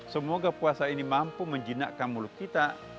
semoga puasa ini mampu menjinakkan mulut kita